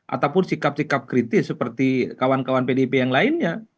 ataupun sikap sikap kritis seperti kawan kawan pdip yang lainnya